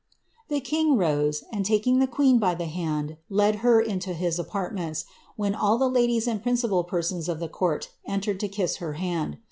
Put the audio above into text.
The king rose, and taking the queen by tiie hand, led her to his apartments, when all the ladies and principal persons of the court entered to kiss her hand.